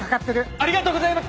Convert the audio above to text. ありがとうございます！